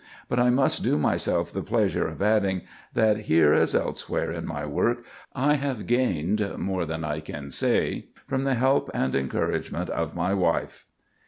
But I must do myself the pleasure of adding, that here, as elsewhere in my work, I have gained more than I can say from the help and encouragement of my wife.